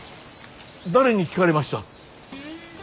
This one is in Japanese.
誰に聞かれました。